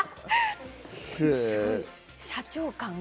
社長感が。